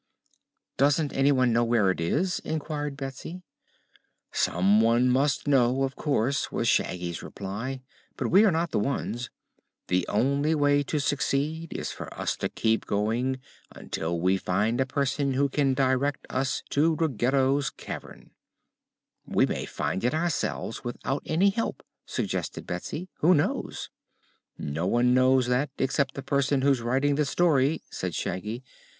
"Doesn't anyone know where it is?" inquired Betsy. "Some one must know, of course," was Shaggy's reply. "But we are not the ones. The only way to succeed is for us to keep going until we find a person who can direct us to Ruggedo's cavern." "We may find it ourselves, without any help," suggested Betsy. "Who knows?" "No one knows that, except the person who's writing this story," said Shaggy.